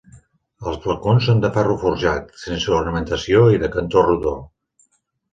Els balcons són de ferro forjat, sense ornamentació i de cantó rodó.